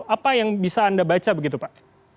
apa yang bisa anda baca begitu pak